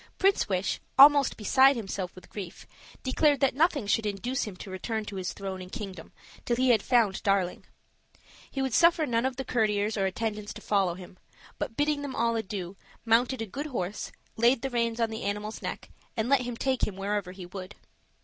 Prince Wish, almost beside himself with grief, declared that nothing should induce him to return to his throne and kingdom till he had found Darling. He would suffer none of his courtiers or attendants to follow him; but bidding them all adieu, mounted a good horse, laid the reins on the animal's neck, and let him take him wherever he would.